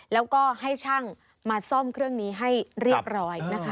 แล้วก็ให้ช่างมาซ่อมเครื่องนี้ให้เรียบร้อยนะคะ